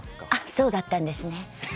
そうだったんですね。